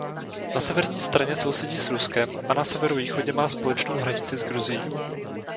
Na severní straně sousedí s Ruskem a na severovýchodě má společnou hranici s Gruzií.